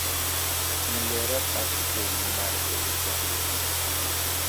من لێرە باشتر فێری مومارەسەی ئیسلام بووم.